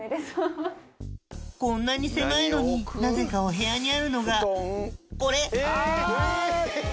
こんなに狭いのになぜかお部屋にあるのがこれ！